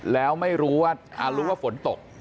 แล้วไม่รู้ว่าผลตก